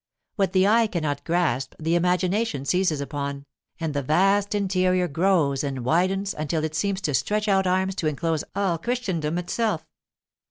What the eye cannot grasp the imagination seizes upon, and the vast interior grows and widens until it seems to stretch out arms to inclose all Christendom itself.